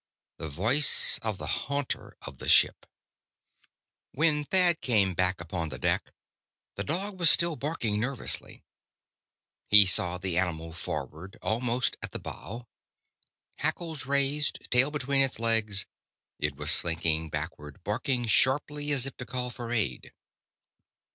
The voice of the haunter of the ship. When Thad came back upon the deck, the dog was still barking nervously. He saw the animal forward, almost at the bow. Hackles raised, tail between its legs, it was slinking backward, barking sharply as if to call for aid.